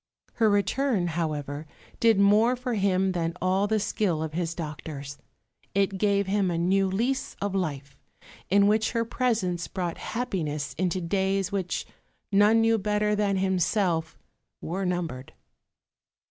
Her return, however, did more for him than all the skill of his doctors. It gave him a new lease of life, in which her presence brought happiness into days which, none knew better than himself, were numbered.